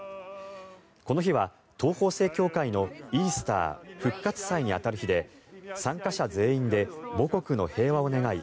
この日は東方正教会のイースター、復活祭に当たる日で参加者全員で、母国の平和を願い